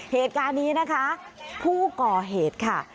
เหตุการณ์นี้นะคะผู้ก่อเหตุค่ะ